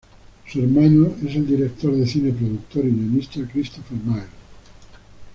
Su hermano es el director de cine, productor y guionista Christopher Miles.